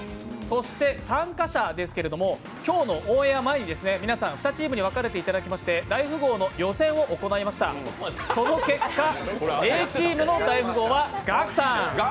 参加者ですけども、今日のオンエア前に皆さん、２チームに分かれていただきまして、大富豪の予選を行いました、その結果Ａチームの大富豪はガクさん。